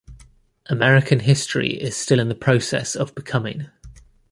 American history is still in the process of becoming.